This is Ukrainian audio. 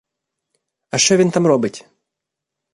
А що він там робить?